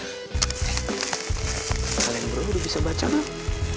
eh kalian berdua udah bisa baca nak